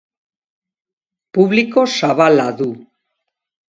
Publiko zabala du.